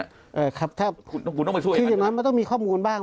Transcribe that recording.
อย่างน้อยมันต้องมีข้อมูลบ้าง